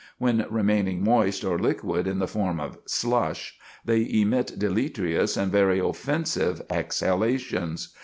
When remaining moist or liquid in the form of "slush," they emit deleterious and very offensive exhalations.